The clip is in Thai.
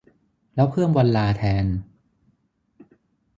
แล้วเพิ่มวันลาแทน